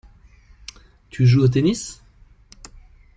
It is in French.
Tu joues au tennis?